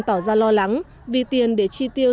tỏ ra lo lắng vì tiền để chi tiêu